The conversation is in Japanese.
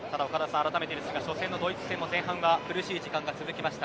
改めてですが初戦のドイツ戦も前半は苦しい時間が続きました。